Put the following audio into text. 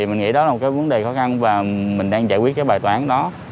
mình nghĩ đó là một vấn đề khó khăn và mình đang giải quyết bài toán đó